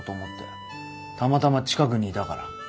たまたま近くにいたから。